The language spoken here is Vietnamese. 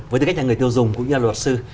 với tư cách là người tiêu dùng cũng như là luật sư